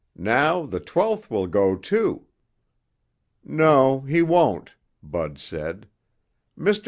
Now the twelfth will go, too." "No he won't," Bud said. "Mr.